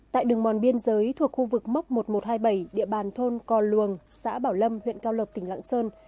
tại đường mòn biên giới thuộc khu vực mốc một nghìn một trăm hai mươi bảy địa bàn thôn cò luồng xã bảo lâm huyện cao lộc tỉnh lạng sơn